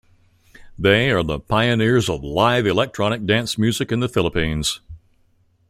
They are the pioneers of live electronic dance music in the Philippines.